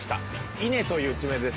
「稲」という地名です。